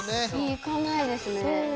行かないですね。